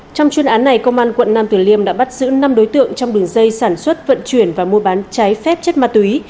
trong chuyên án này công an quận nam tử liêm đã bắt giữ năm đối tượng trong đường dây sản xuất vận chuyển và mua bán trái phép chất ma túy